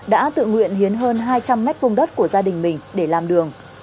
đã tự nguyện hiến hơn hai trăm linh mét vùng đất của gia đình mình để làm đường